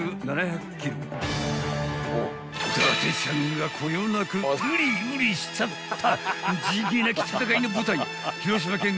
［伊達ちゃんがこよなくウリウリしちゃった］